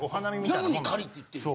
なのに「狩り」って言ってるんや。